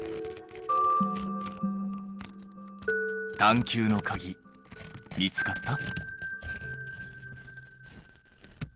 探究のかぎ見つかった？